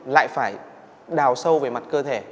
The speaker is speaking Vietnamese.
lại phải đào sâu về mặt cơ thể